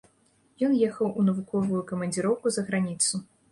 Ён ехаў у навуковую камандзіроўку за граніцу.